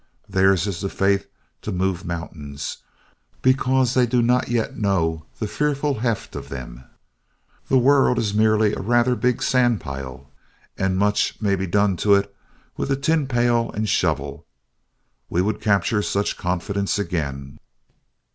Theirs is the faith to move mountains, because they do not yet know the fearful heft of them. The world is merely a rather big sandpile and much may be done to it with a tin pail and shovel. We would capture such confidence again.